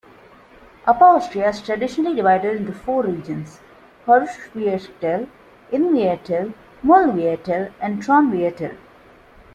Upper Austria is traditionally divided into four regions: Hausruckviertel, Innviertel, Mühlviertel, and Traunviertel.